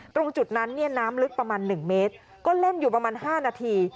ตรงจุดนั้นเนี่ยน้ำลึกประมาณ๑เมตรก็เล่นอยู่ประมาณ๕นาที